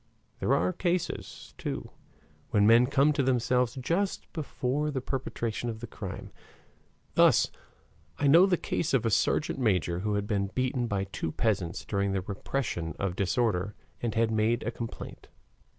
There are cases, too, when men come to themselves just before the perpetration of the crime. Thus I know the case of a sergeant major who had been beaten by two peasants during the repression of disorder and had made a complaint.